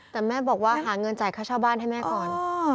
แต่แม่บอกว่าหาเงินจ่ายค่าเช่าบ้านให้แม่ก่อน